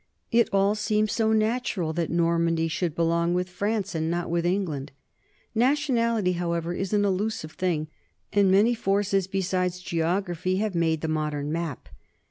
It all seems so natural that Normandy should belong with France and not with England. Nationality, however, is an elusive thing, and many forces besides geography have made the modern map.